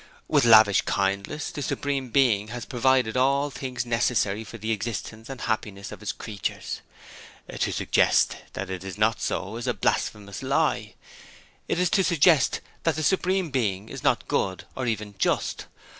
With lavish kindness, the Supreme Being had provided all things necessary for the existence and happiness of his creatures. To suggest that it is not so is a blasphemous lie: it is to suggest that the Supreme Being is not good or even just.